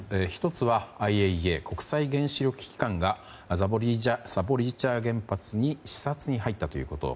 １つはＩＡＥＡ・国際原子力機関がザポリージャ原発に視察に入ったということ。